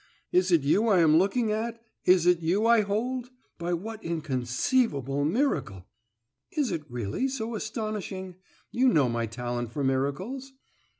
Is it you I am looking at, is it you I hold? By what inconceivable miracle " "Is it really so astonishing? You know my talent for miracles."